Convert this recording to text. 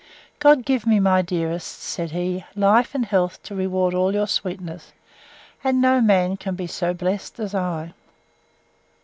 God give me, my dearest, said he, life and health to reward all your sweetness! and no man can be so blest as I.